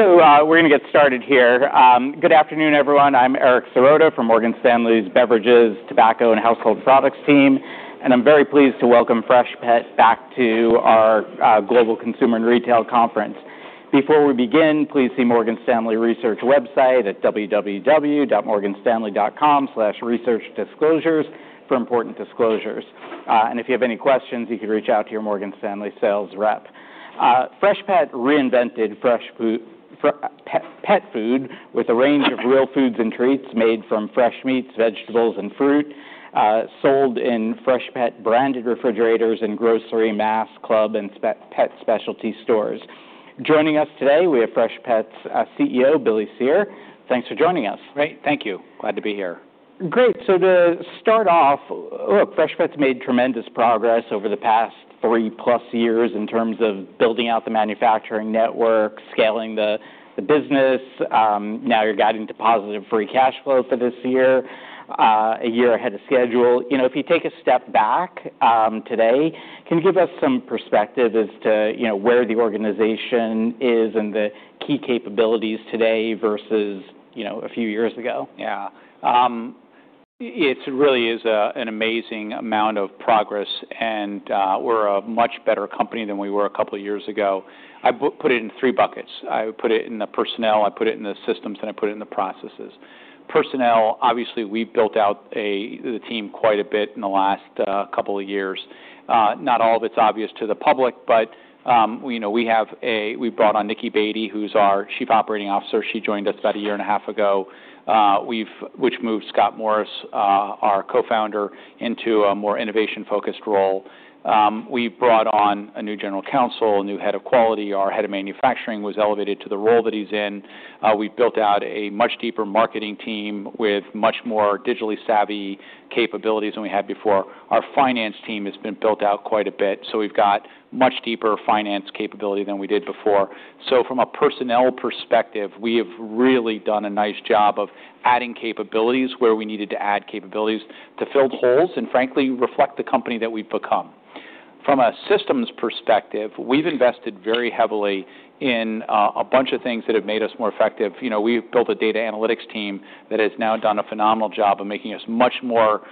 So, we're going to get started here. Good afternoon, everyone. I'm Eric Serotta from Morgan Stanley's beverages, tobacco, and household products team, and I'm very pleased to welcome Freshpet back to our Global Consumer and Retail Conference. Before we begin, please see Morgan Stanley Research website at www.morganstanley.com/researchdisclosures for important disclosures. And if you have any questions, you can reach out to your Morgan Stanley sales rep. Freshpet reinvented fresh food, fresh pet food with a range of real foods and treats made from fresh meats, vegetables, and fruit, sold in Freshpet branded refrigerators and grocery, mass club and pet specialty stores. Joining us today, we have Freshpet's CEO, Billy Cyr, thanks for joining us. Great, thank you. Glad to be here. Great. So to start off, look, Freshpet's made tremendous progress over the past 3+ years in terms of building out the manufacturing network, scaling the business. Now you're guiding to positive free cash flow for this year, a year ahead of schedule. You know, if you take a step back, today, can you give us some perspective as to, you know, where the organization is and the key capabilities today versus, you know, a few years ago? Yeah. It really is an amazing amount of progress, and we're a much better company than we were a couple of years ago. I put it in three buckets. I put it in the personnel, I put it in the systems, and I put it in the processes. Personnel, obviously, we've built out the team quite a bit in the last couple of years. Not all of it's obvious to the public, but you know, we brought on Nicki Baty, who's our Chief Operating Officer. She joined us about a year and a half ago, which moved Scott Morris, our co-founder, into a more innovation-focused role. We brought on a new general counsel, a new head of quality. Our head of manufacturing was elevated to the role that he's in. We built out a much deeper marketing team with much more digitally savvy capabilities than we had before. Our finance team has been built out quite a bit, so we've got much deeper finance capability than we did before. So from a personnel perspective, we have really done a nice job of adding capabilities where we needed to add capabilities to fill holes and, frankly, reflect the company that we've become. From a systems perspective, we've invested very heavily in a bunch of things that have made us more effective. You know, we've built a data analytics team that has now done a phenomenal job of making us much more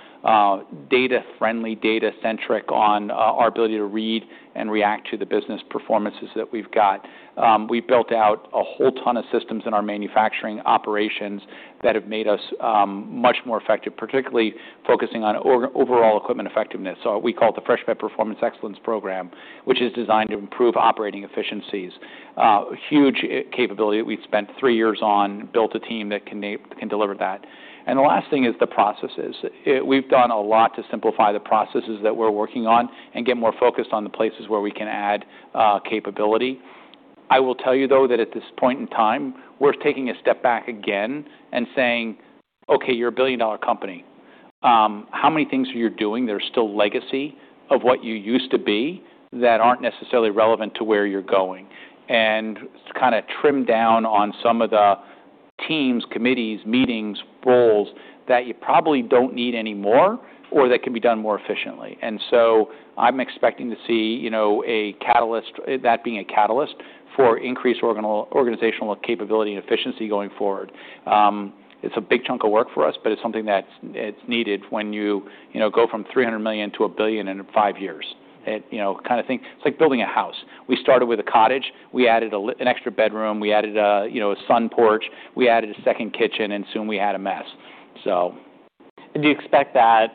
data-friendly, data-centric on our ability to read and react to the business performances that we've got. We've built out a whole ton of systems in our manufacturing operations that have made us much more effective, particularly focusing on overall equipment effectiveness. So we call it the Freshpet Performance Excellence Program, which is designed to improve operating efficiencies. Huge capability that we've spent three years on, built a team that can deliver that. The last thing is the processes. We've done a lot to simplify the processes that we're working on and get more focused on the places where we can add capability. I will tell you, though, that at this point in time, we're taking a step back again and saying, "Okay, you're a billion-dollar company. How many things are you doing that are still legacy of what you used to be that aren't necessarily relevant to where you're going?" And it's kind of trimmed down on some of the teams, committees, meetings, roles that you probably don't need anymore or that can be done more efficiently. And so I'm expecting to see, you know, a catalyst, that being a catalyst for increased organizational capability and efficiency going forward. It's a big chunk of work for us, but it's something that's, it's needed when you, you know, go from $300 million to $1 billion in five years. It, you know, kind of thing, it's like building a house. We started with a cottage. We added an extra bedroom. We added a, you know, a sun porch. We added a second kitchen, and soon we had a mess, so. And do you expect that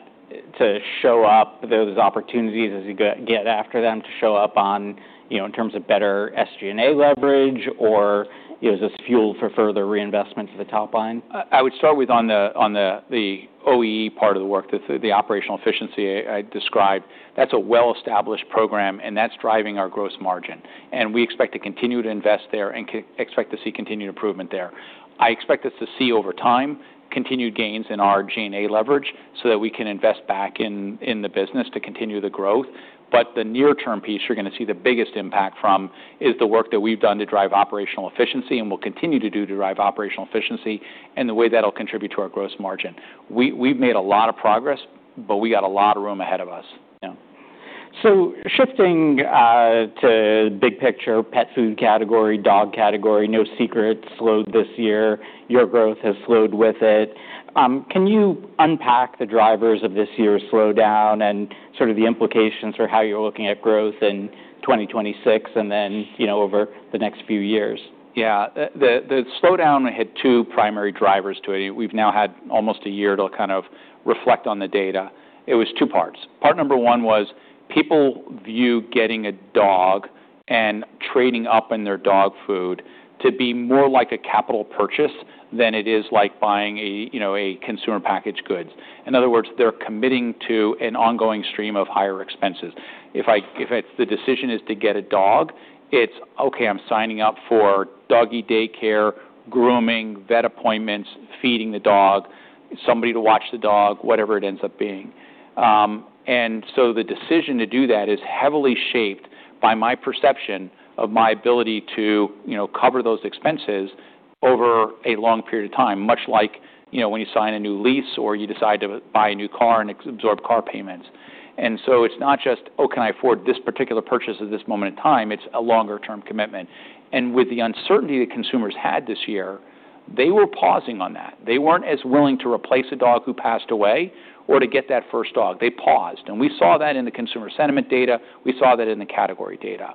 to show up, those opportunities as you get after them to show up on, you know, in terms of better SG&A leverage or, you know, as a fuel for further reinvestments at the top line? I would start with the OEE part of the work, the operational efficiency I described. That's a well-established program, and that's driving our gross margin, and we expect to continue to invest there and expect to see continued improvement there. I expect us to see over time continued gains in our G&A leverage so that we can invest back in the business to continue the growth, but the near-term piece you're going to see the biggest impact from is the work that we've done to drive operational efficiency and will continue to do to drive operational efficiency and the way that'll contribute to our gross margin. We've made a lot of progress, but we got a lot of room ahead of us. Yeah. So shifting to big picture, pet food category, dog category, no secrets, slowed this year. Your growth has slowed with it. Can you unpack the drivers of this year's slowdown and sort of the implications for how you're looking at growth in 2026 and then, you know, over the next few years? Yeah. The slowdown had two primary drivers to it. We've now had almost a year to kind of reflect on the data. It was two parts. Part number one was people view getting a dog and trading up in their dog food to be more like a capital purchase than it is like buying a, you know, a consumer packaged goods. In other words, they're committing to an ongoing stream of higher expenses. If it's the decision is to get a dog, it's, "Okay, I'm signing up for doggy daycare, grooming, vet appointments, feeding the dog, somebody to watch the dog, whatever it ends up being." And so the decision to do that is heavily shaped by my perception of my ability to, you know, cover those expenses over a long period of time, much like, you know, when you sign a new lease or you decide to buy a new car and absorb car payments. And so it's not just, "Oh, can I afford this particular purchase at this moment in time?" It's a longer-term commitment. And with the uncertainty that consumers had this year, they were pausing on that. They weren't as willing to replace a dog who passed away or to get that first dog. They paused. And we saw that in the consumer sentiment data. We saw that in the category data.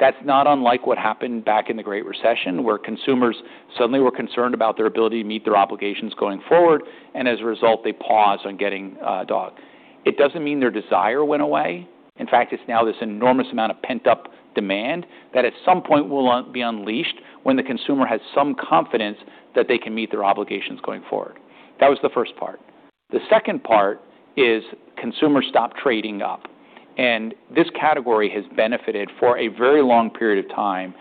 That's not unlike what happened back in the Great Recession where consumers suddenly were concerned about their ability to meet their obligations going forward, and as a result, they paused on getting a dog. It doesn't mean their desire went away. In fact, it's now this enormous amount of pent-up demand that at some point will be unleashed when the consumer has some confidence that they can meet their obligations going forward. That was the first part. The second part is consumers stopped trading up. And this category has benefited for a very long period of time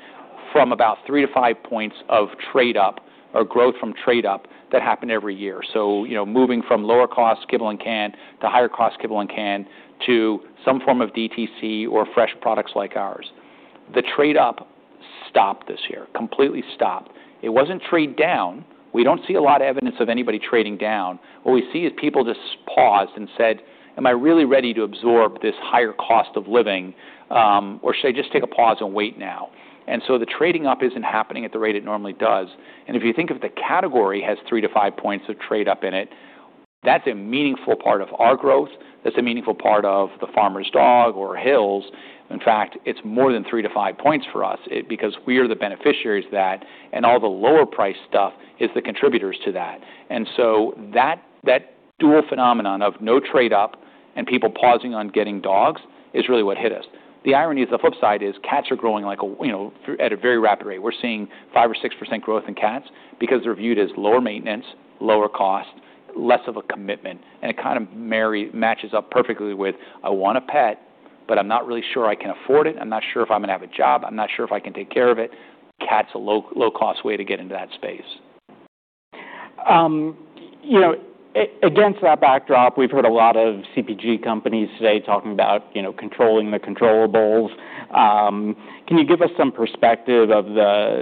from about three to five points of trade-up or growth from trade-up that happened every year. So, you know, moving from lower-cost kibble and can to higher-cost kibble and can to some form of DTC or fresh products like ours. The trade-up stopped this year, completely stopped. It wasn't trade-down. We don't see a lot of evidence of anybody trading down. What we see is people just paused and said, "Am I really ready to absorb this higher cost of living, or should I just take a pause and wait now?" And so the trading up isn't happening at the rate it normally does. And if you think of the category has three to five points of trade-up in it, that's a meaningful part of our growth. That's a meaningful part of The Farmer's Dog or Hill's. In fact, it's more than three to five points for us because we are the beneficiaries of that, and all the lower-priced stuff is the contributors to that. And so that, that dual phenomenon of no trade-up and people pausing on getting dogs is really what hit us. The irony is the flip side is cats are growing like a, you know, at a very rapid rate. We're seeing 5%-6% growth in cats because they're viewed as lower maintenance, lower cost, less of a commitment, and it kind of marries, matches up perfectly with, "I want a pet, but I'm not really sure I can afford it. I'm not sure if I'm going to have a job. I'm not sure if I can take care of it." Cats are a low, low-cost way to get into that space. You know, against that backdrop, we've heard a lot of CPG companies today talking about, you know, controlling the controllables. Can you give us some perspective of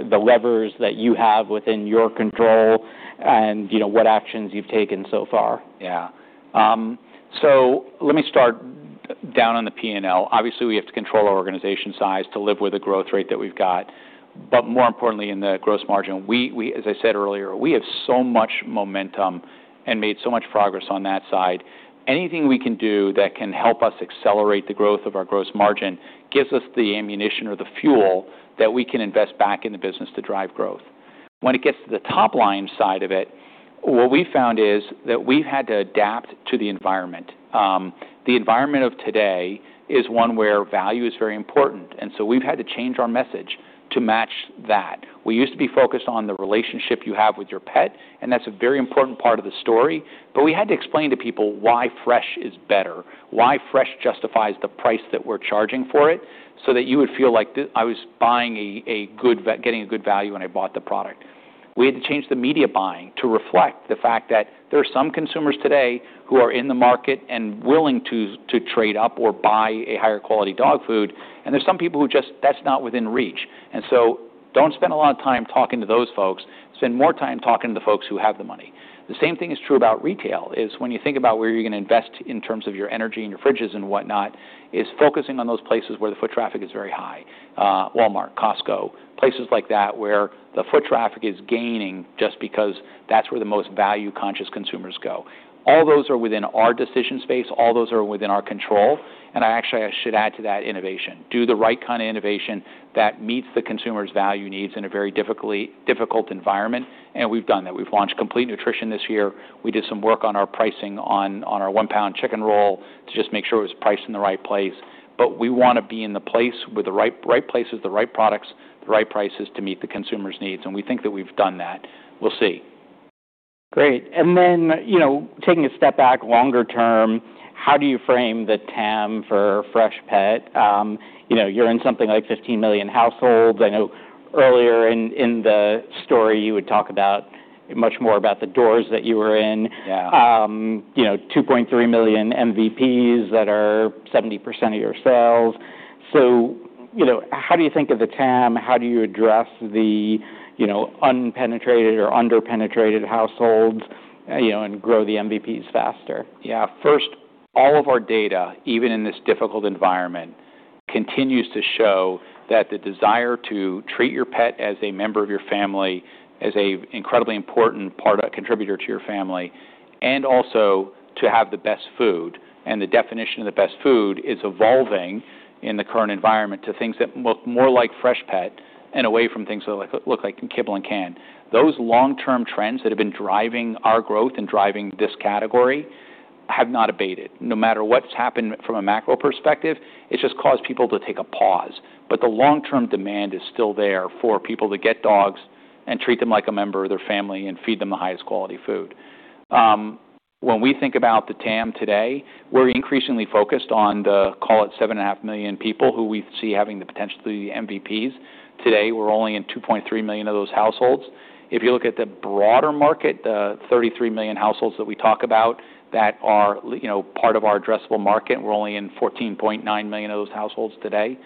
the levers that you have within your control and, you know, what actions you've taken so far? Yeah. So let me start down on the P&L. Obviously, we have to control our organization size to live with the growth rate that we've got. But more importantly, in the gross margin, we, as I said earlier, we have so much momentum and made so much progress on that side. Anything we can do that can help us accelerate the growth of our gross margin gives us the ammunition or the fuel that we can invest back in the business to drive growth. When it gets to the top line side of it, what we found is that we've had to adapt to the environment. The environment of today is one where value is very important, and so we've had to change our message to match that. We used to be focused on the relationship you have with your pet, and that's a very important part of the story. But we had to explain to people why Fresh is better, why Fresh justifies the price that we're charging for it so that you would feel like I was buying a good, getting a good value when I bought the product. We had to change the media buying to reflect the fact that there are some consumers today who are in the market and willing to trade up or buy a higher-quality dog food, and there's some people who just, that's not within reach, so don't spend a lot of time talking to those folks. Spend more time talking to the folks who have the money. The same thing is true about retail, is when you think about where you're going to invest in terms of your energy and your fridges and whatnot, is focusing on those places where the foot traffic is very high, Walmart, Costco, places like that where the foot traffic is gaining just because that's where the most value-conscious consumers go. All those are within our decision space. All those are within our control. And I actually, I should add to that innovation. Do the right kind of innovation that meets the consumer's value needs in a very difficult, difficult environment. And we've done that. We've launched Complete Nutrition this year. We did some work on our pricing on our One-Pound Chicken Roll to just make sure it was priced in the right place. But we want to be in the right places, the right products, the right prices to meet the consumer's needs. And we think that we've done that. We'll see. Great. And then, you know, taking a step back longer term, how do you frame the TAM for Freshpet? You know, you're in something like 15 million households. I know earlier in the story, you would talk about much more about the doors that you were in. Yeah. You know, 2.3 million MVPs that are 70% of your sales. So, you know, how do you think of the TAM? How do you address the, you know, unpenetrated or underpenetrated households, you know, and grow the MVPs faster? Yeah. First, all of our data, even in this difficult environment, continues to show that the desire to treat your pet as a member of your family, as an incredibly important part, a contributor to your family, and also to have the best food, and the definition of the best food is evolving in the current environment to things that look more like fresh pet and away from things that look like kibble and can. Those long-term trends that have been driving our growth and driving this category have not abated. No matter what's happened from a macro perspective, it's just caused people to take a pause. But the long-term demand is still there for people to get dogs and treat them like a member of their family and feed them the highest quality food. When we think about the TAM today, we're increasingly focused on the, call it 7.5 million people who we see having the potential to be the MVPs. Today, we're only in 2.3 million of those households. If you look at the broader market, the 33 million households that we talk about that are, you know, part of our addressable market, we're only in 14.9 million of those households today.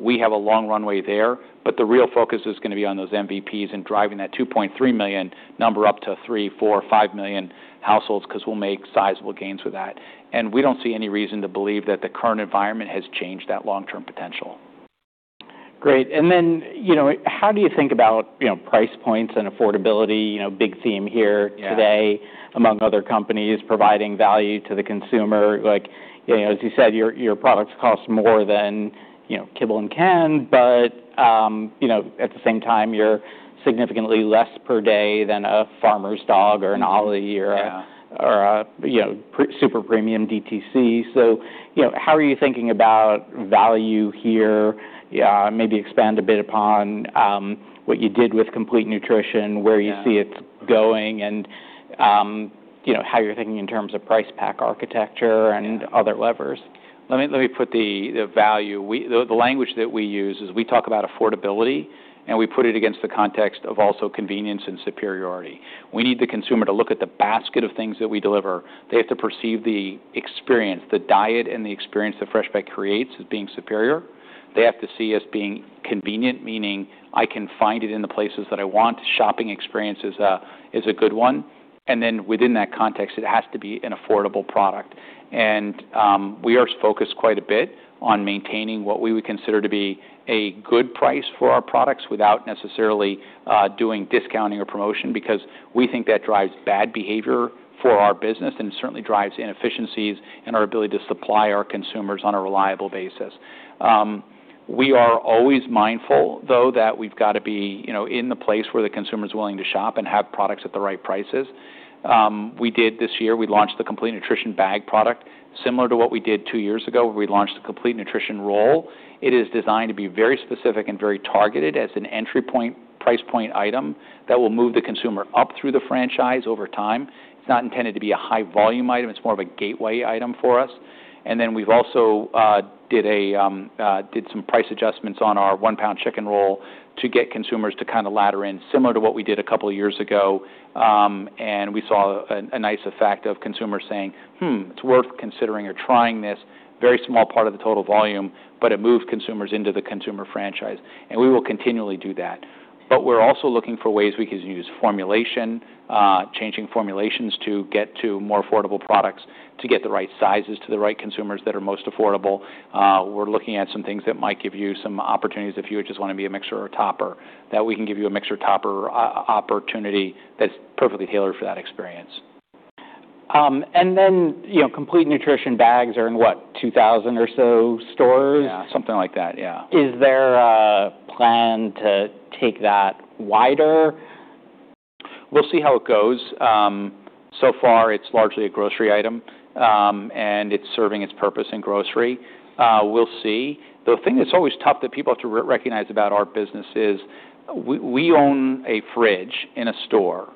We have a long runway there, but the real focus is going to be on those MVPs and driving that 2.3 million number up to 3, 4, 5 million households because we'll make sizable gains with that. And we don't see any reason to believe that the current environment has changed that long-term potential. Great. And then, you know, how do you think about, you know, price points and affordability, you know, big theme here today among other companies providing value to the consumer? Like, you know, as you said, your, your products cost more than, you know, kibble and can, but, you know, at the same time, you're significantly less per day than The Farmer's Dog or an Ollie or a, or a, you know, super premium DTC. So, you know, how are you thinking about value here? Maybe expand a bit upon what you did with Complete Nutrition, where you see it's going, and, you know, how you're thinking in terms of price pack architecture and other levers. Let me put the value. The language that we use is we talk about affordability, and we put it against the context of also convenience and superiority. We need the consumer to look at the basket of things that we deliver. They have to perceive the experience, the diet, and the experience that Freshpet creates as being superior. They have to see us being convenient, meaning I can find it in the places that I want. Shopping experience is a good one. And then within that context, it has to be an affordable product. And, we are focused quite a bit on maintaining what we would consider to be a good price for our products without necessarily doing discounting or promotion because we think that drives bad behavior for our business and certainly drives inefficiencies in our ability to supply our consumers on a reliable basis. We are always mindful, though, that we've got to be, you know, in the place where the consumer is willing to shop and have products at the right prices. We did this year, we launched the Complete Nutrition bag product similar to what we did two years ago where we launched the Complete Nutrition roll. It is designed to be very specific and very targeted as an entry point price point item that will move the consumer up through the franchise over time. It's not intended to be a high volume item. It's more of a gateway item for us. And then we've also did some price adjustments on our One-Pound Chicken Roll to get consumers to kind of ladder in similar to what we did a couple of years ago. And we saw a nice effect of consumers saying, "it's worth considering or trying this." Very small part of the total volume, but it moved consumers into the consumer franchise. And we will continually do that. But we're also looking for ways we can use formulation, changing formulations to get to more affordable products to get the right sizes to the right consumers that are most affordable. We're looking at some things that might give you some opportunities if you would just want to be a mixer or a topper, that we can give you a mixer or topper opportunity that's perfectly tailored for that experience. and then, you know, Complete Nutrition bags are in what, 2,000 or so stores? Yeah, something like that. Yeah. Is there a plan to take that wider? We'll see how it goes. So far, it's largely a grocery item, and it's serving its purpose in grocery. We'll see. The thing that's always tough that people have to recognize about our business is we own a fridge in a store,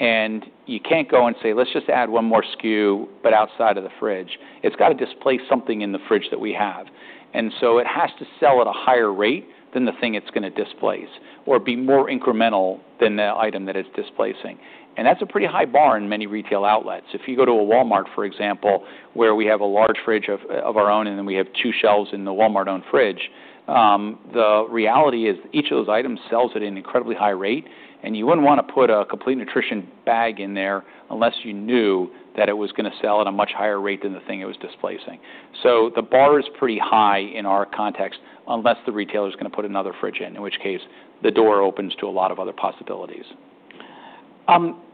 and you can't go and say, "Let's just add one more SKU," but outside of the fridge. It's got to displace something in the fridge that we have. And so it has to sell at a higher rate than the thing it's going to displace or be more incremental than the item that it's displacing. And that's a pretty high bar in many retail outlets. If you go to a Walmart, for example, where we have a large fridge of our own and then we have two shelves in the Walmart-owned fridge, the reality is each of those items sells at an incredibly high rate, and you wouldn't want to put a Complete Nutrition bag in there unless you knew that it was going to sell at a much higher rate than the thing it was displacing. So the bar is pretty high in our context unless the retailer is going to put another fridge in, in which case the door opens to a lot of other possibilities.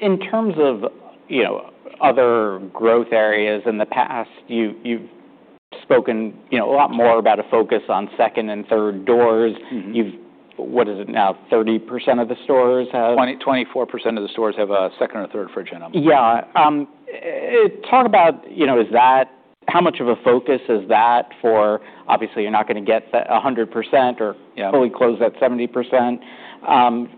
In terms of, you know, other growth areas in the past, you've spoken, you know, a lot more about a focus on second and third doors. You've, what is it now, 30% of the stores have? 20, 24% of the stores have a second or third fridge in them. Yeah. Talk about, you know, is that how much of a focus is that for? Obviously you're not going to get that 100% or fully close that 70%.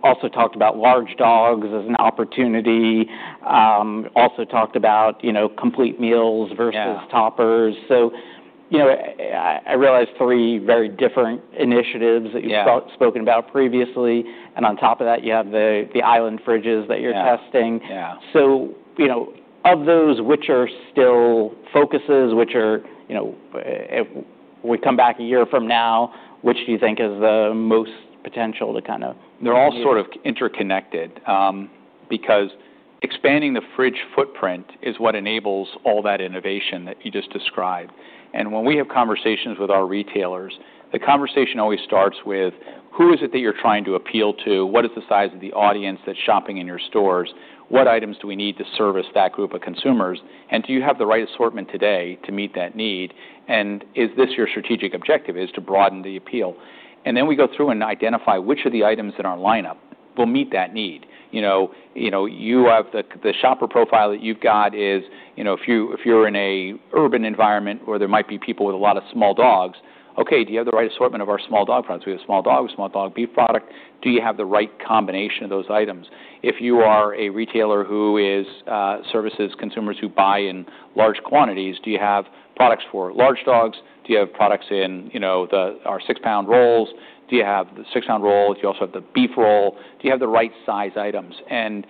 Also talked about large dogs as an opportunity. Also talked about, you know, complete meals versus toppers. So, you know, I realize three very different initiatives that you've spoken about previously. And on top of that, you have the island fridges that you're testing. Yeah. So, you know, of those, which are still focuses, which are, you know, we come back a year from now, which do you think has the most potential to kind of? They're all sort of interconnected, because expanding the fridge footprint is what enables all that innovation that you just described. And when we have conversations with our retailers, the conversation always starts with who is it that you're trying to appeal to? What is the size of the audience that's shopping in your stores? What items do we need to service that group of consumers? And do you have the right assortment today to meet that need? And is this your strategic objective is to broaden the appeal? And then we go through and identify which of the items in our lineup will meet that need. You know, you know, you have the shopper profile that you've got is, you know, if you're in an urban environment where there might be people with a lot of small dogs. Okay, do you have the right assortment of our small dog products? We have small dog beef product. Do you have the right combination of those items? If you are a retailer who services consumers who buy in large quantities, do you have products for large dogs? Do you have products in, you know, our six-pound rolls? Do you have the six-pound roll? Do you also have the beef roll? Do you have the right size items? And,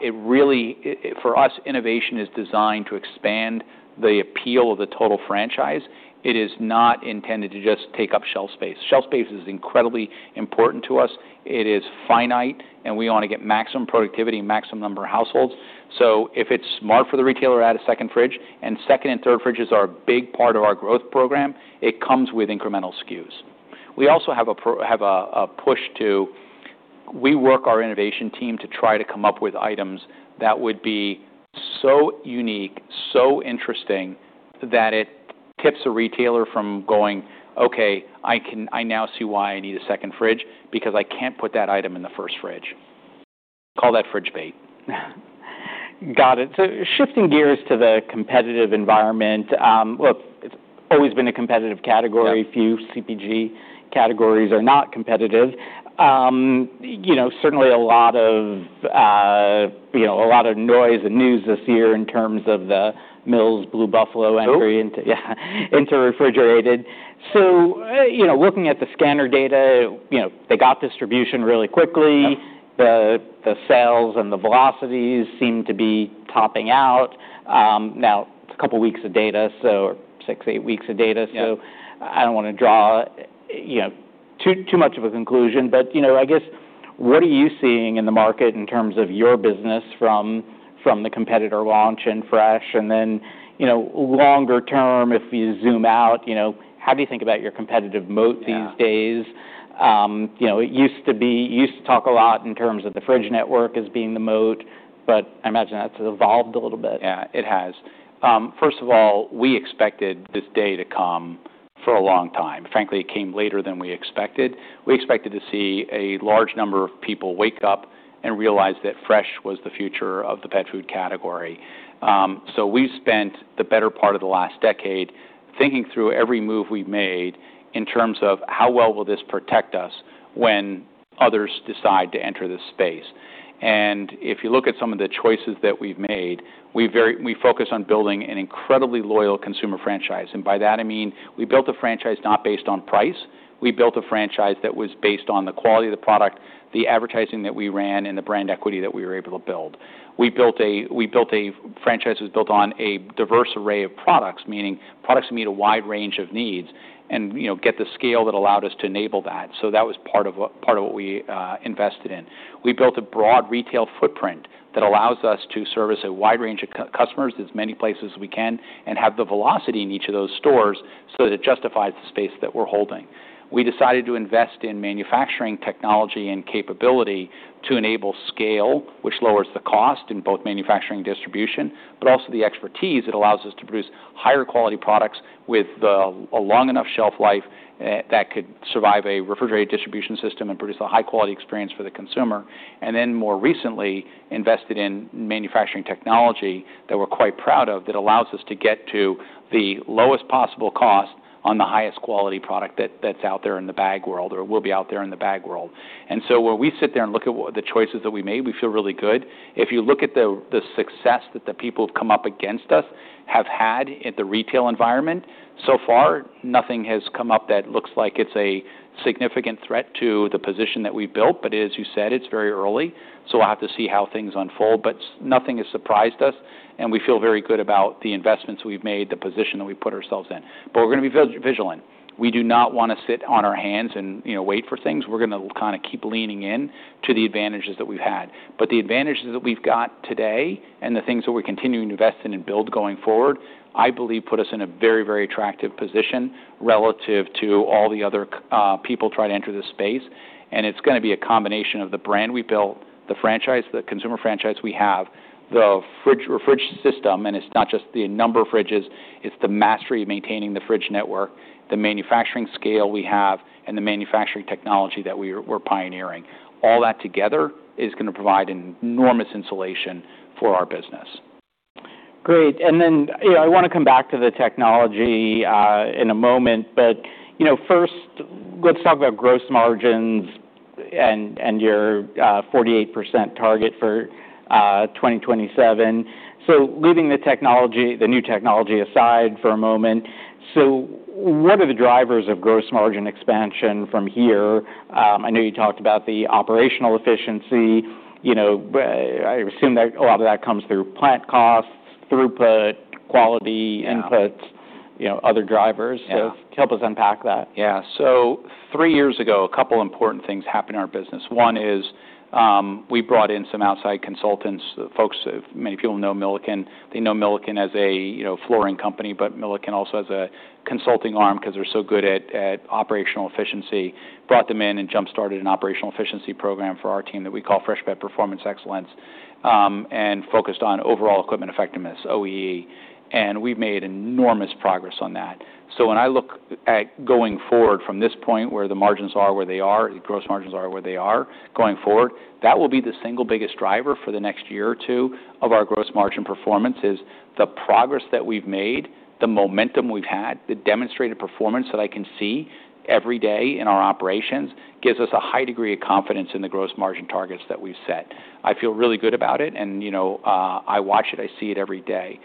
it really, for us, innovation is designed to expand the appeal of the total franchise. It is not intended to just take up shelf space. Shelf space is incredibly important to us. It is finite, and we want to get maximum productivity, maximum number of households. So if it's smart for the retailer to add a second fridge, and second and third fridges are a big part of our growth program, it comes with incremental SKUs. We also have a push to work our innovation team to try to come up with items that would be so unique, so interesting that it tips a retailer from going, "Okay, I can, I now see why I need a second fridge because I can't put that item in the first fridge." Call that fridge bait. Got it. So shifting gears to the competitive environment, look, it's always been a competitive category. Few CPG categories are not competitive. You know, certainly a lot of, you know, a lot of noise and news this year in terms of the Mills Blue Buffalo entry into refrigerated. So, you know, looking at the scanner data, you know, they got distribution really quickly. The, the sales and the velocities seem to be topping out. Now it's a couple of weeks of data, so six, eight weeks of data. So I don't want to draw, you know, too, too much of a conclusion, but, you know, I guess what are you seeing in the market in terms of your business from, from the competitor launch and Fresh? And then, you know, longer term, if you zoom out, you know, how do you think about your competitive moat these days? You know, it used to be, you used to talk a lot in terms of the fridge network as being the moat, but I imagine that's evolved a little bit. Yeah, it has. First of all, we expected this day to come for a long time. Frankly, it came later than we expected. We expected to see a large number of people wake up and realize that Fresh was the future of the pet food category. So we've spent the better part of the last decade thinking through every move we've made in terms of how well will this protect us when others decide to enter this space. And if you look at some of the choices that we've made, we very, we focus on building an incredibly loyal consumer franchise. And by that, I mean we built a franchise not based on price. We built a franchise that was based on the quality of the product, the advertising that we ran, and the brand equity that we were able to build. We built a franchise that was built on a diverse array of products, meaning products that meet a wide range of needs and, you know, get the scale that allowed us to enable that. So that was part of what we invested in. We built a broad retail footprint that allows us to service a wide range of customers as many places as we can and have the velocity in each of those stores so that it justifies the space that we're holding. We decided to invest in manufacturing technology and capability to enable scale, which lowers the cost in both manufacturing and distribution, but also the expertise that allows us to produce higher quality products with a long enough shelf life that could survive a refrigerated distribution system and produce a high quality experience for the consumer. And then, more recently, invested in manufacturing technology that we're quite proud of that allows us to get to the lowest possible cost on the highest quality product that's out there in the bag world or will be out there in the bag world. And so when we sit there and look at the choices that we made, we feel really good. If you look at the success that the people who've come up against us have had in the retail environment, so far, nothing has come up that looks like it's a significant threat to the position that we've built. But as you said, it's very early. So we'll have to see how things unfold, but nothing has surprised us. And we feel very good about the investments we've made, the position that we put ourselves in. But we're going to be vigilant. We do not want to sit on our hands and, you know, wait for things. We're going to kind of keep leaning in to the advantages that we've had. But the advantages that we've got today and the things that we're continuing to invest in and build going forward, I believe put us in a very, very attractive position relative to all the other people trying to enter this space. And it's going to be a combination of the brand we built, the franchise, the consumer franchise we have, the fridge or fridge system, and it's not just the number of fridges. It's the mastery of maintaining the fridge network, the manufacturing scale we have, and the manufacturing technology that we're pioneering. All that together is going to provide an enormous insulation for our business. Great. And then, you know, I want to come back to the technology, in a moment. But, you know, first, let's talk about gross margins and your 48% target for 2027. So leaving the technology, the new technology aside for a moment, so what are the drivers of gross margin expansion from here? I know you talked about the operational efficiency, you know, I assume that a lot of that comes through plant costs, throughput, quality, inputs, you know, other drivers. So help us unpack that. Yeah. So three years ago, a couple of important things happened in our business. One is, we brought in some outside consultants, folks that many people know Milliken. They know Milliken as a, you know, flooring company, but Milliken also has a consulting arm because they're so good at operational efficiency. Brought them in and jump-started an operational efficiency program for our team that we call Freshpet Performance Excellence, and focused on overall equipment effectiveness, OEE. And we've made enormous progress on that. So, when I look at going forward from this point where the margins are where they are, the gross margins are where they are going forward, that will be the single biggest driver for the next year or two of our gross margin performance. The progress that we've made, the momentum we've had, the demonstrated performance that I can see every day in our operations gives us a high degree of confidence in the gross margin targets that we've set. I feel really good about it. And, you know, I watch it. I see it every day.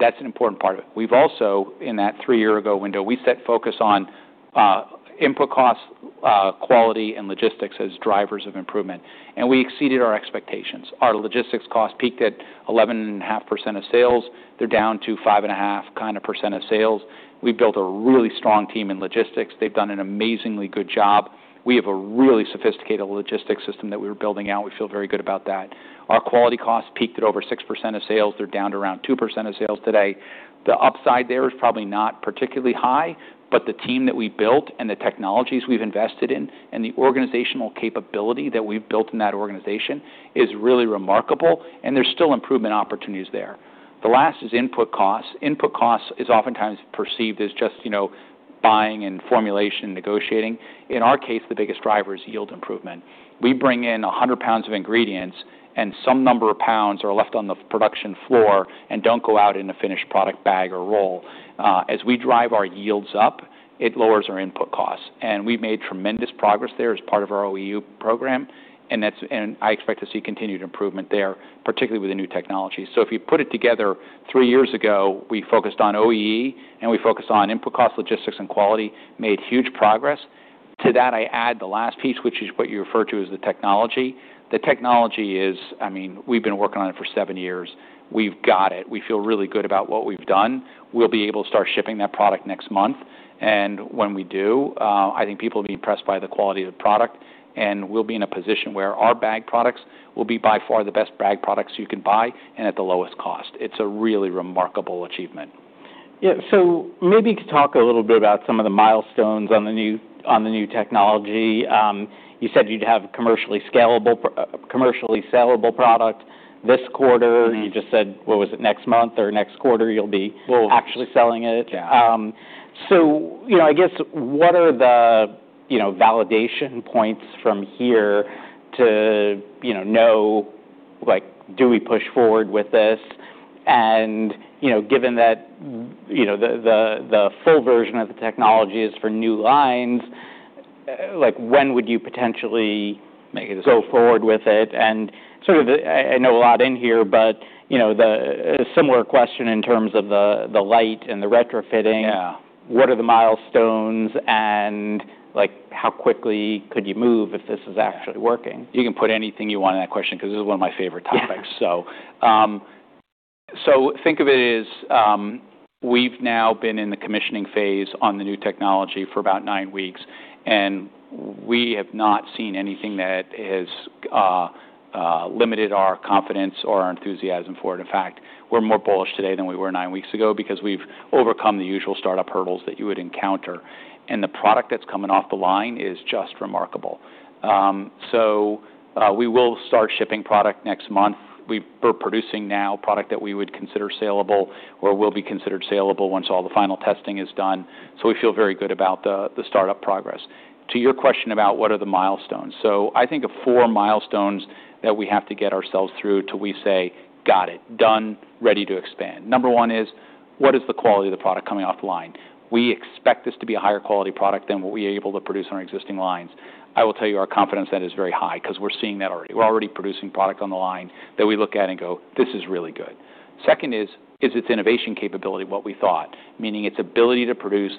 That's an important part of it. We've also, in that three-year-ago window, set focus on input costs, quality, and logistics as drivers of improvement. And we exceeded our expectations. Our logistics costs peaked at 11.5% of sales. They're down to 5.5% of sales. We've built a really strong team in logistics. They've done an amazingly good job. We have a really sophisticated logistics system that we were building out. We feel very good about that. Our quality costs peaked at over 6% of sales. They're down to around 2% of sales today. The upside there is probably not particularly high, but the team that we built and the technologies we've invested in and the organizational capability that we've built in that organization is really remarkable. And there's still improvement opportunities there. The last is input costs. Input costs is oftentimes perceived as just, you know, buying and formulation and negotiating. In our case, the biggest driver is yield improvement. We bring in 100 pounds of ingredients, and some number of pounds are left on the production floor and don't go out in a finished product bag or roll. As we drive our yields up, it lowers our input costs. And we've made tremendous progress there as part of our OEE program. And that's, I expect to see continued improvement there, particularly with the new technology. So if you put it together, three years ago, we focused on OEE, and we focused on input costs, logistics, and quality, made huge progress. To that, I add the last piece, which is what you refer to as the technology. The technology is, I mean, we've been working on it for seven years. We've got it. We feel really good about what we've done. We'll be able to start shipping that product next month. And when we do, I think people will be impressed by the quality of the product. And we'll be in a position where our bag products will be by far the best bag products you can buy and at the lowest cost. It's a really remarkable achievement. Yeah. So maybe to talk a little bit about some of the milestones on the new, on the new technology. You said you'd have a commercially scalable, commercially sellable product this quarter. You just said, what was it, next month or next quarter you'll be actually selling it. So, you know, I guess what are the, you know, like, do we push forward with this? And, you know, given that, you know, the full version of the technology is for new lines, like, when would you potentially go forward with it? And sort of, I know a lot in here, but, you know, the similar question in terms of the light and the retrofitting, what are the milestones and, like, how quickly could you move if this is actually working? You can put anything you want in that question because this is one of my favorite topics. So think of it as, we've now been in the commissioning phase on the new technology for about nine weeks. And we have not seen anything that has limited our confidence or our enthusiasm for it. In fact, we're more bullish today than we were nine weeks ago because we've overcome the usual startup hurdles that you would encounter. And the product that's coming off the line is just remarkable. So, we will start shipping product next month. We're producing now product that we would consider sellable or will be considered sellable once all the final testing is done. So we feel very good about the startup progress. To your question about what are the milestones, so I think of four milestones that we have to get ourselves through till we say, got it, done, ready to expand. Number one is, what is the quality of the product coming off the line? We expect this to be a higher quality product than what we are able to produce on our existing lines. I will tell you our confidence that is very high because we're seeing that already. We're already producing product on the line that we look at and go, this is really good. Second is, is its innovation capability what we thought, meaning its ability to produce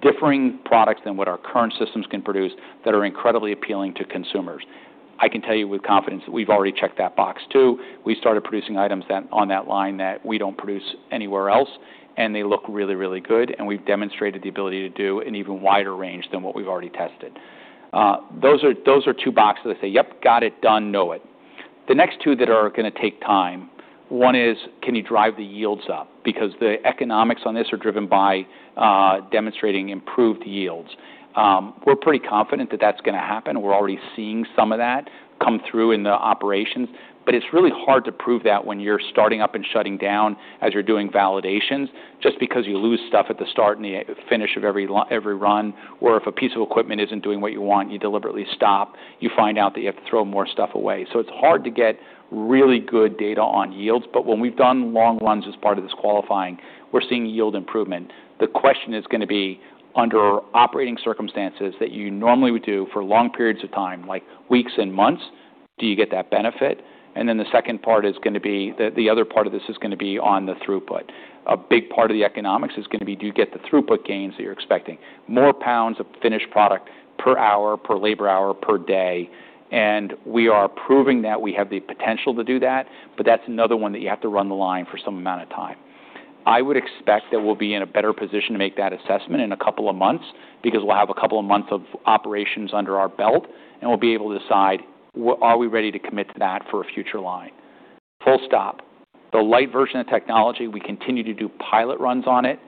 differing products than what our current systems can produce that are incredibly appealing to consumers. I can tell you with confidence that we've already checked that box too. We started producing items that on that line that we don't produce anywhere else, and they look really, really good, and we've demonstrated the ability to do an even wider range than what we've already tested. Those are, those are two boxes that say, yep, got it, done, know it. The next two that are going to take time, one is, can you drive the yields up? Because the economics on this are driven by demonstrating improved yields. We're pretty confident that that's going to happen. We're already seeing some of that come through in the operations. But it's really hard to prove that when you're starting up and shutting down as you're doing validations just because you lose stuff at the start and the finish of every, every run, or if a piece of equipment isn't doing what you want, you deliberately stop. You find out that you have to throw more stuff away. So it's hard to get really good data on yields. But when we've done long runs as part of this qualifying, we're seeing yield improvement. The question is going to be under operating circumstances that you normally would do for long periods of time, like weeks and months, do you get that benefit? And then the second part is going to be the other part of this is going to be on the throughput. A big part of the economics is going to be, do you get the throughput gains that you're expecting? More pounds of finished product per hour, per labor hour, per day, and we are proving that we have the potential to do that, but that's another one that you have to run the line for some amount of time. I would expect that we'll be in a better position to make that assessment in a couple of months because we'll have a couple of months of operations under our belt, and we'll be able to decide, are we ready to commit to that for a future line? Full stop. The light version of the technology, we continue to do pilot runs on it.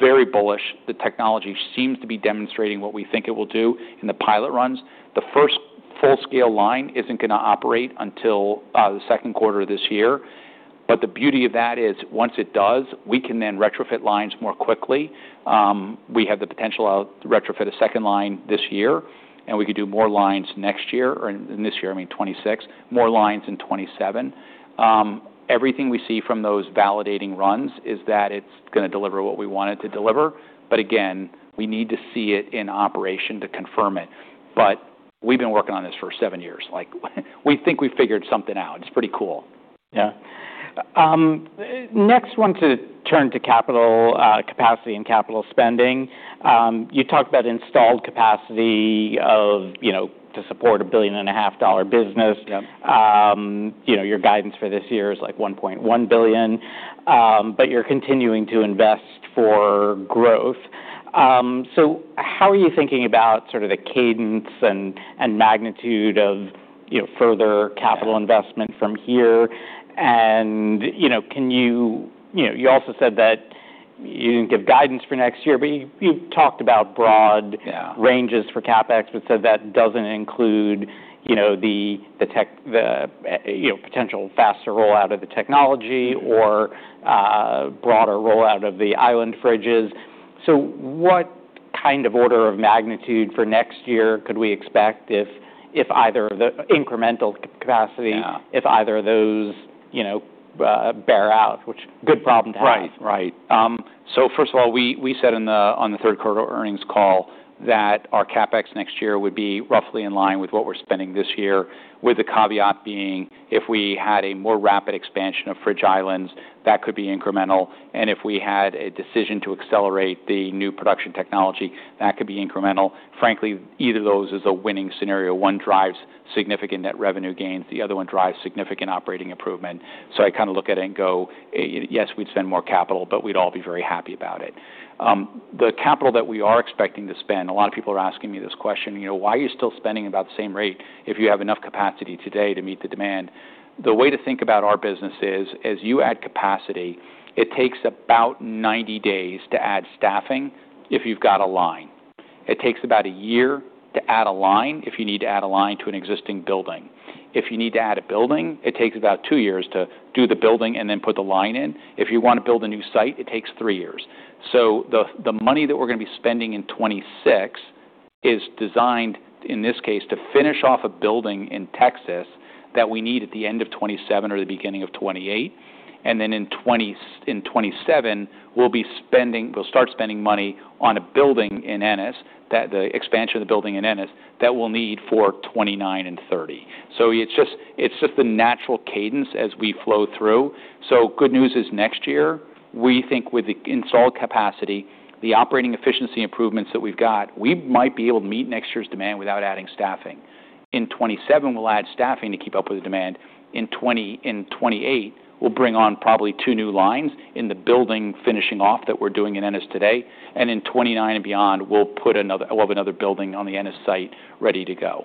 Very bullish. The technology seems to be demonstrating what we think it will do in the pilot runs. The first full-scale line isn't going to operate until the second quarter of this year. But the beauty of that is once it does, we can then retrofit lines more quickly. We have the potential to retrofit a second line this year, and we could do more lines next year, or this year, I mean, 2026, more lines in 2027. Everything we see from those validating runs is that it's going to deliver what we want it to deliver. But again, we need to see it in operation to confirm it. But we've been working on this for seven years. Like, we think we've figured something out. It's pretty cool. Yeah. Next, I want to turn to capital, capacity and capital spending. You talked about installed capacity of, you know, to support a $1.5 billion business. You know, your guidance for this year is like $1.1 billion. But you're continuing to invest for growth. So how are you thinking about sort of the cadence and magnitude of, you know, further capital investment from here? And, you know, can you, you know, you also said that you didn't give guidance for next year, but you've talked about broad ranges for CapEx, but said that doesn't include, you know, the tech, the, you know, potential faster rollout of the technology or broader rollout of the island fridges. So, what kind of order of magnitude for next year could we expect if either of those, you know, bear out, which is a good problem to have? Right. Right. So first of all, we said on the third quarter earnings call that our CapEx next year would be roughly in line with what we're spending this year, with the caveat being if we had a more rapid expansion of fridge islands, that could be incremental. And if we had a decision to accelerate the new production technology, that could be incremental. Frankly, either of those is a winning scenario. One drives significant net revenue gains. The other one drives significant operating improvement. So I kind of look at it and go, yes, we'd spend more capital, but we'd all be very happy about it. The capital that we are expecting to spend, a lot of people are asking me this question, you know, why are you still spending about the same rate if you have enough capacity today to meet the demand? The way to think about our business is, as you add capacity, it takes about 90 days to add staffing if you've got a line. It takes about a year to add a line if you need to add a line to an existing building. If you need to add a building, it takes about two years to do the building and then put the line in. If you want to build a new site, it takes three years. So the money that we're going to be spending in 2026 is designed, in this case, to finish off a building in Texas that we need at the end of 2027 or the beginning of 2028. And then in 2027, we'll start spending money on a building in Ennis that the expansion of the building in Ennis that we'll need for 2029 and 2030. It's just the natural cadence as we flow through. Good news is next year, we think with the installed capacity, the operating efficiency improvements that we've got, we might be able to meet next year's demand without adding staffing. In 2027, we'll add staffing to keep up with the demand. In 2028, we'll bring on probably two new lines in the building finishing off that we're doing in Ennis today. In 2029 and beyond, we'll have another building on the Ennis site ready to go.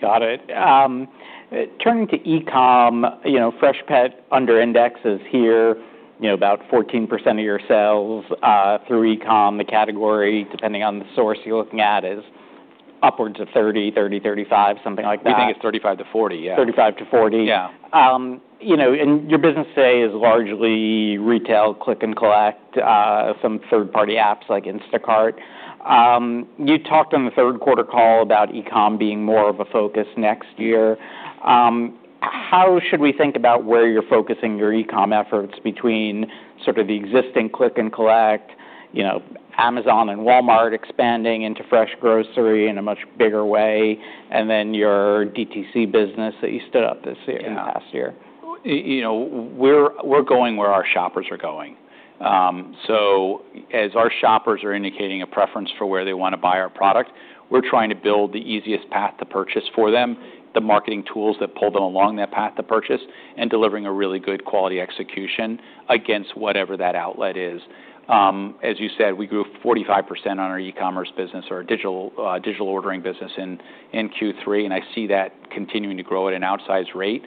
Got it. Turning to e-com, you know, Freshpet under-indexes here, you know, about 14% of your sales through e-com. The category, depending on the source you're looking at, is upwards of 30, 30-35, something like that. We think it's 35-40, yeah. 35-40. Yeah. You know, and your business today is largely retail, click and collect, some third-party apps like Instacart. You talked on the third quarter call about e-commerce being more of a focus next year. How should we think about where you're focusing your e-com efforts between sort of the existing click and collect, you know, Amazon and Walmart expanding into fresh grocery in a much bigger way, and then your DTC business that you stood up this year, this past year? You know, we're going where our shoppers are going. So as our shoppers are indicating a preference for where they want to buy our product, we're trying to build the easiest path to purchase for them, the marketing tools that pull them along that path to purchase, and delivering a really good quality execution against whatever that outlet is. As you said, we grew 45% on our e-commerce business, our digital ordering business in Q3, and I see that continuing to grow at an outsized rate.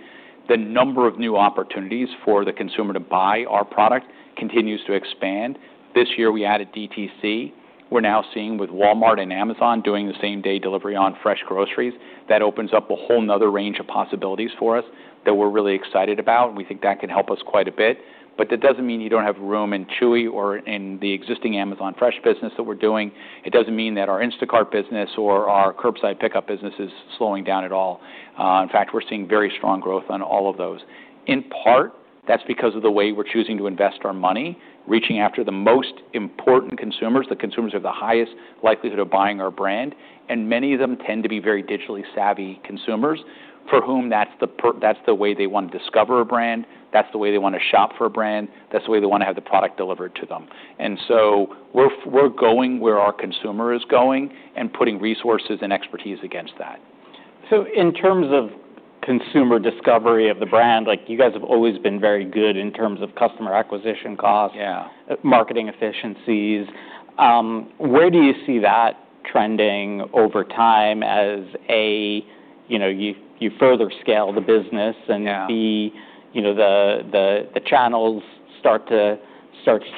The number of new opportunities for the consumer to buy our product continues to expand. This year, we added DTC. We're now seeing with Walmart and Amazon doing the same-day delivery on fresh groceries. That opens up a whole nother range of possibilities for us that we're really excited about. We think that can help us quite a bit. But that doesn't mean you don't have room in Chewy or in the existing Amazon Fresh business that we're doing. It doesn't mean that our Instacart business or our curbside pickup business is slowing down at all. In fact, we're seeing very strong growth on all of those. In part, that's because of the way we're choosing to invest our money, reaching after the most important consumers, the consumers who have the highest likelihood of buying our brand. And many of them tend to be very digitally savvy consumers for whom that's the, that's the way they want to discover a brand. That's the way they want to shop for a brand. That's the way they want to have the product delivered to them. And so we're, we're going where our consumer is going and putting resources and expertise against that. In terms of consumer discovery of the brand, like you guys have always been very good in terms of customer acquisition costs, marketing efficiencies, where do you see that trending over time as A, you know, you further scale the business and B, you know, the channels start to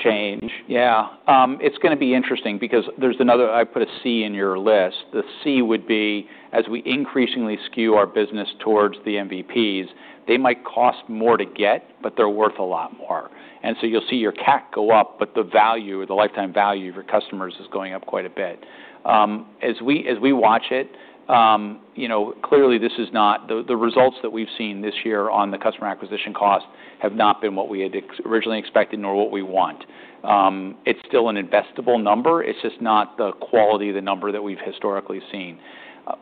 change? Yeah. It's going to be interesting because there's another. I put a C in your list. The C would be as we increasingly skew our business towards the MVPs, they might cost more to get, but they're worth a lot more. And so you'll see your CAC go up, but the value, the lifetime value of your customers is going up quite a bit. As we watch it, you know, clearly this is not the results that we've seen this year on the customer acquisition cost have not been what we had originally expected nor what we want. It's still an investable number. It's just not the quality of the number that we've historically seen.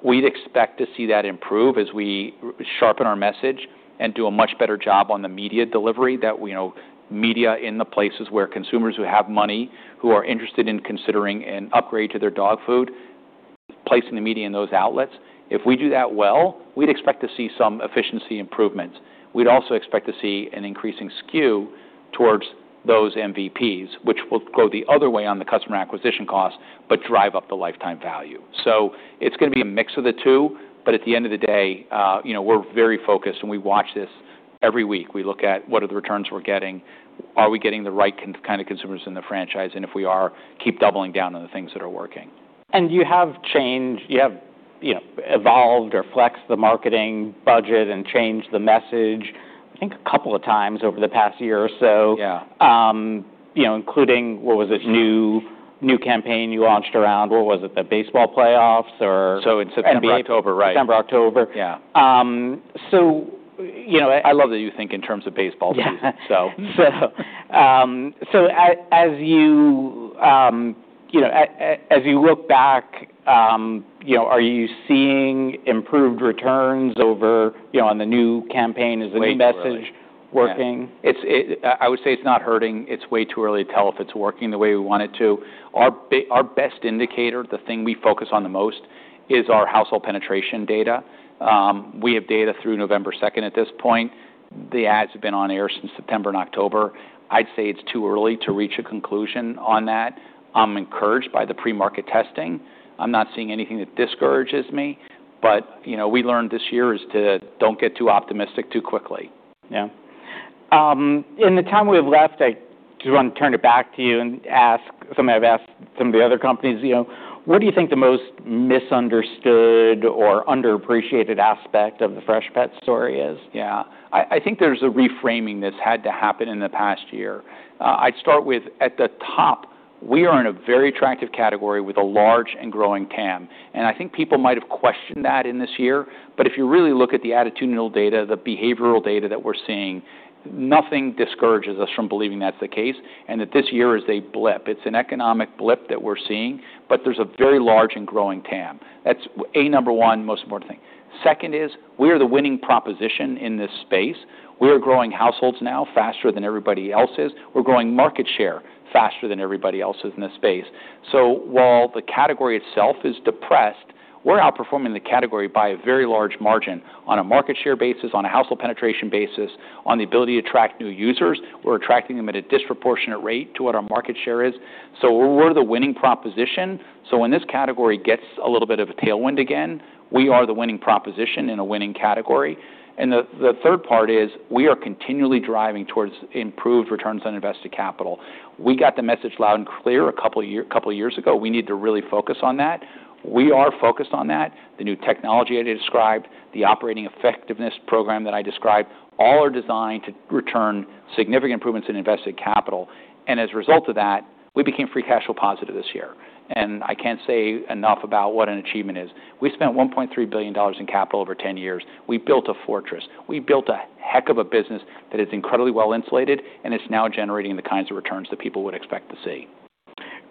We'd expect to see that improve as we sharpen our message and do a much better job on the media delivery that we, you know, media in the places where consumers who have money, who are interested in considering an upgrade to their dog food, placing the media in those outlets. If we do that well, we'd expect to see some efficiency improvements. We'd also expect to see an increasing skew towards those MVPs, which will go the other way on the customer acquisition cost, but drive up the lifetime value, so it's going to be a mix of the two, but at the end of the day, you know, we're very focused and we watch this every week. We look at what are the returns we're getting. Are we getting the right kind of consumers in the franchise? If we are, keep doubling down on the things that are working. You have changed, you know, evolved or flexed the marketing budget and changed the message, I think a couple of times over the past year or so. Yeah. You know, including what was it, new campaign you launched around? What was it, the baseball playoffs or? So it's September, October, right? September, October. Yeah. So, you know, I love that you think in terms of baseball season. So as you, you know, as you look back, you know, are you seeing improved returns over, you know, on the new campaign? Is the new message working? It's, I would say, it's not hurting. It's way too early to tell if it's working the way we want it to. Our best indicator, the thing we focus on the most, is our household penetration data. We have data through November 2nd at this point. The ads have been on air since September and October. I'd say it's too early to reach a conclusion on that. I'm encouraged by the pre-market testing. I'm not seeing anything that discourages me, but, you know, we learned this year is to don't get too optimistic too quickly. Yeah. In the time we have left, I just want to turn it back to you and ask something I've asked some of the other companies, you know, what do you think the most misunderstood or underappreciated aspect of the Freshpet story is? Yeah. I think there's a reframing that's had to happen in the past year. I'd start with, at the top, we are in a very attractive category with a large and growing TAM, and I think people might have questioned that in this year, but if you really look at the attitudinal data, the behavioral data that we're seeing, nothing discourages us from believing that's the case, and that this year is a blip. It's an economic blip that we're seeing, but there's a very large and growing TAM. That's A, number one, most important thing. Second is we are the winning proposition in this space. We are growing households now faster than everybody else is. We're growing market share faster than everybody else is in this space. So while the category itself is depressed, we're outperforming the category by a very large margin on a market share basis, on a household penetration basis, on the ability to attract new users. We're attracting them at a disproportionate rate to what our market share is, so we're the winning proposition, so when this category gets a little bit of a tailwind again, we are the winning proposition in a winning category, and the third part is we are continually driving towards improved returns on invested capital. We got the message loud and clear a couple of years, a couple of years ago. We need to really focus on that. We are focused on that. The new technology I described, the operating effectiveness program that I described, all are designed to return significant improvements in invested capital. As a result of that, we became free cash flow positive this year. I can't say enough about what an achievement is. We spent $1.3 billion in capital over 10 years. We built a fortress. We built a heck of a business that is incredibly well insulated, and it's now generating the kinds of returns that people would expect to see.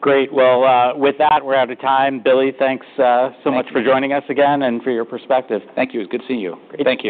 Great. Well, with that, we're out of time. Billy, thanks so much for joining us again and for your perspective. Thank you. It's good seeing you. Great. Thank you.